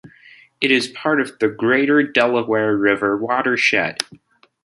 It is part of the greater Delaware River watershed.